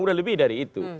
sudah lebih dari itu